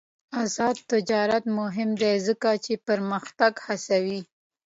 آزاد تجارت مهم دی ځکه چې پرمختګ هڅوي.